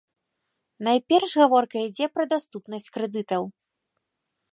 Найперш гаворка ідзе пра даступнасць крэдытаў.